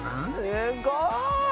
すごい！